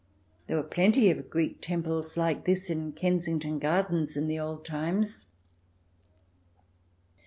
There were plenty of Greek Temples like this in Kensington Gardens in the old times.